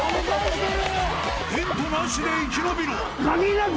テントなしで生き延びろ。